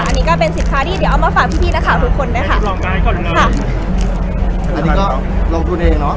อันนี้ก็เป็นสินค้าที่เดี๋ยวเอามาฝากพี่นะคะทุกคนนะครับ